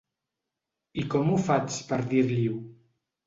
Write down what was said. I com m'ho faig per dir-li-ho?